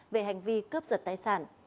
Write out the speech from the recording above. về hành vi cướp giật tài sản